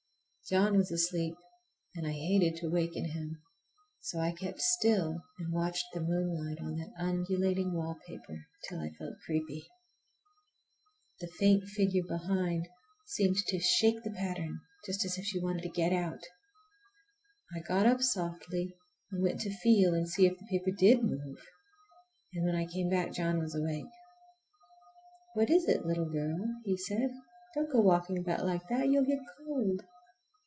John was asleep and I hated to waken him, so I kept still and watched the moonlight on that undulating wallpaper till I felt creepy. The faint figure behind seemed to shake the pattern, just as if she wanted to get out. I got up softly and went to feel and see if the paper did move, and when I came back John was awake. "What is it, little girl?" he said. "Don't go walking about like that—you'll get cold."